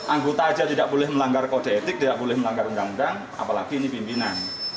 anggota saja tidak boleh melanggar kode etik tidak boleh melanggar undang undang apalagi ini pimpinan